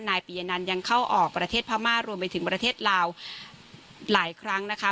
ปียนันยังเข้าออกประเทศพม่ารวมไปถึงประเทศลาวหลายครั้งนะคะ